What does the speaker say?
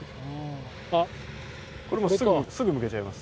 これすぐむけちゃいます。